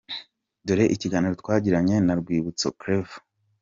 Dore ikiganiro twagiranye na Rwibutso Claver:.